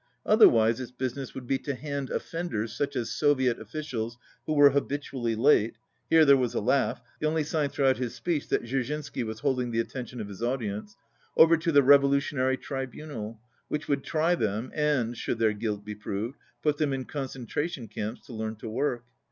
Otherwise its business would be to hand offenders, such as Soviet officials who were habit ually late (here there was a laugh, the only sign throughout his speech that Dserzhinsky was hold ing the attention of his audience), over to the Revolutionary Tribunal, which would try them and, should their guilt be proved, put them in concentration camps to learn to work.